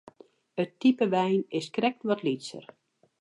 It type wein is krekt wat lytser.